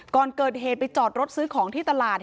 ก่อนเกิดเหตุไปจอดรถซื้อของที่ตลาด